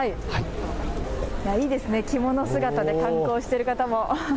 いいですね、着物姿で観光している方も。